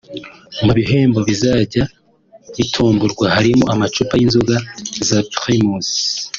Mu bihembo bizajya bitomborwa harimo amacupa y’inzoga za Primus